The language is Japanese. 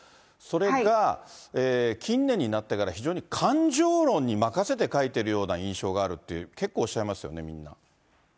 それが近年になってから非常に感情論に任せて書いているような印象があるって、結構おっしゃいますよね、みんな。